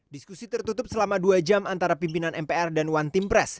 diskusi tertutup selama dua jam antara pimpinan mpr dan one team press